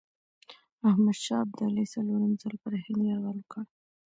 احمدشاه ابدالي څلورم ځل پر هند یرغل وکړ.